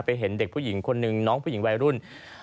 เห็นเด็กผู้หญิงคนนึงน้องผู้หญิงวัยรุ่น